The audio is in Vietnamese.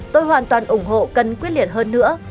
tôi hoàn toàn ủng hộ cần quyết liệt hơn nữa